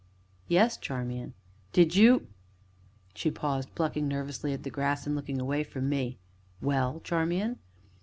"Yes, Charmian?" "Did you " She paused, plucking nervously at the grass, and looking away from me. "Well, Charmian?"